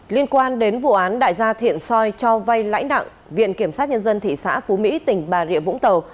liên quan đến vụ án đại gia thiện soi cho vay lãnh đạo viện kiểm sát nhân dân thị xã phú mỹ tỉnh bà rịa vũng tàu